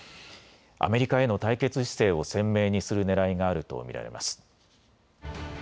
アメリカへの対決姿勢を鮮明にするねらいがあると見られます。